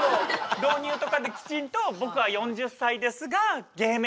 導入とかできちんと僕は４０歳ですが芸名